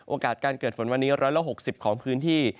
โอกาสการเกิดฝนวันนี้๑๖๐ของพื้นที่